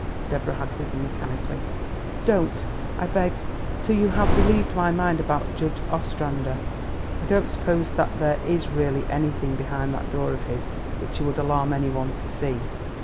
Deborah had risen mechanically. "Don't, I beg, till you have relieved my mind about Judge Ostrander. I don't suppose that there is really anything behind that door of his which it would alarm any one to see?"